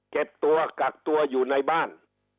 ตัวกักตัวอยู่ในบ้าน